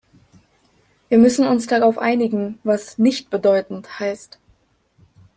Wir müssen uns darauf einigen, was "nichtbedeutend" heißt.